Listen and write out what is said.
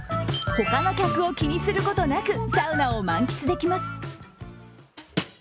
他の客を気にすることなく、サウナを満喫できます。